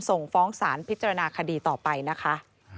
ส่งฟ้องสารพิจารณาคดีต่อไปนะคะ